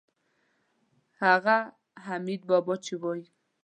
هغه حمیدبابا چې وایي.